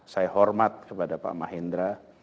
saya hormat kepada pak mahendra